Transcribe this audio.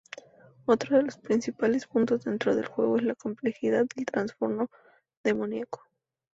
Otro de los principales puntos dentro del juego es la complejidad del trasfondo demoníaco.